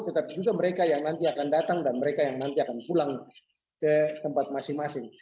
tetapi juga mereka yang nanti akan datang dan mereka yang nanti akan pulang ke tempat masing masing